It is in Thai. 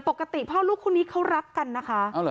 ปกติพ่อลูกคู่นี้เขารักกันนะคะ